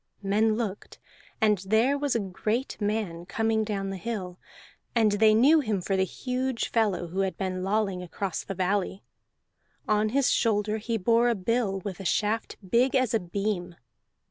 Men looked, and there was a great man coming down the hill, and they knew him for the huge fellow who had been lolling across the valley. On his shoulder he bore a bill with a shaft big as a beam.